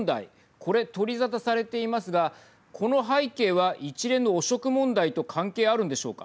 これ、取り沙汰されていますがこの背景は一連の汚職問題と関係あるんでしょうか。